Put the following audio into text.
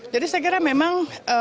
jadi saya kira memang